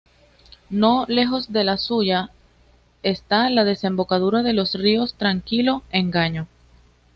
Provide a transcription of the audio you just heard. No lejos de la suya esta la desembocadura de los ríos Tranquilo, Engaño.